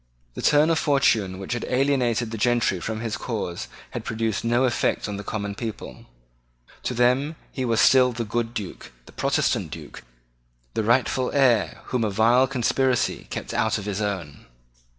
The turn of fortune which had alienated the gentry from his cause had produced no effect on the common people. To them he was still the good Duke, the Protestant Duke, the rightful heir whom a vile conspiracy kept out of his own.